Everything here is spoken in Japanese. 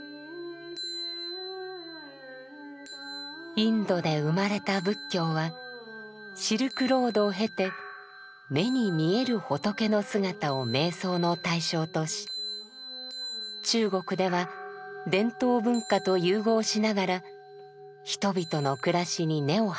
インドで生まれた仏教はシルクロードを経て目に見える仏の姿を瞑想の対象とし中国では伝統文化と融合しながら人々の暮らしに根を張っていきました。